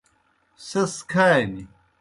سیْس کھانیْ۔